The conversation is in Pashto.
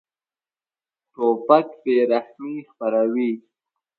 توپک بېرحمي خپروي.